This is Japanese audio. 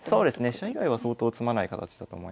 飛車以外は相当詰まない形だと思います。